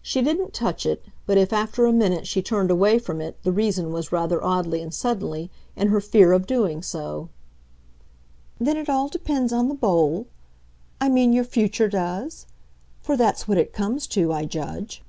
She didn't touch it, but if after a minute she turned away from it the reason was, rather oddly and suddenly, in her fear of doing so. "Then it all depends on the bowl? I mean your future does? For that's what it comes to, I judge."